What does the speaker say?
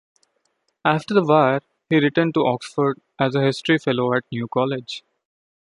After the war he returned to Oxford as a history fellow at New College.